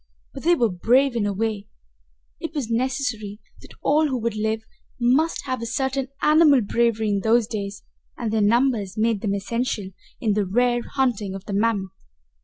But they were brave in a way it was necessary that all who would live must have a certain animal bravery in those days and their numbers made them essential in the rare hunting of the mammoth.